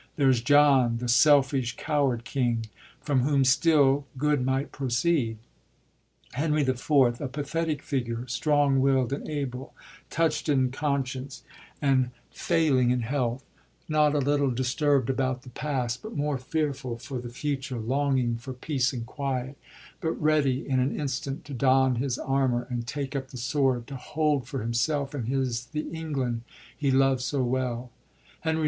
There is John, the selfish, coward king, from whom, still, good might proceed : Henry IV., a pathetic figure, strong willd and able, toucht in conscience and failing 107 SHAKSPERB'S SECOND PERIOD PLAYS in health; not a little disturbd about the past, but more fearful for the future, longing for peace and quiet, but ready in an instant to don his armor and take up the sword, to hold for himself and his the England he loves so well: Henry V.